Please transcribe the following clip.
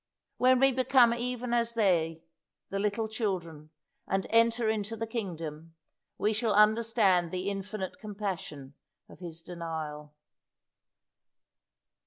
When we become even as they the little children and enter into the kingdom, we shall understand the infinite compassion of His denial.